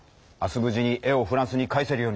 無事に絵をフランスに返せるようにしよう！